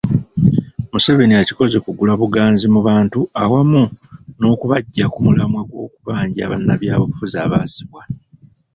Museveni akikoze kugula buganzi mu bantu awamu n’okubaggya ku mulamwa gw’okubanja bannabyabufuzi abaasibwa.